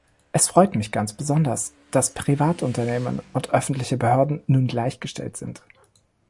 Es freut mich ganz besonders, dass Privatunternehmen und öffentliche Behörden nun gleichgestellt sind.